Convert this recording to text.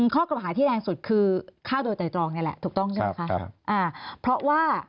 ข้อเก่าหาที่แรงสุดคือค่าโดยตายจองนี่แหละถูกต้องใช่ไหมคะ